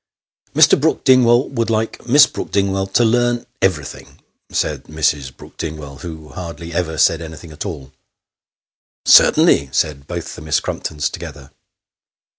"Mr. Brook Dingwall would like Miss Brook Dingwall to learn everything," said Mrs. Brook Dingwall, who hardly ever said any thing at all. " Certainly," said both the Miss Crumptons together.